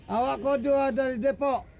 awak keduanya dari depo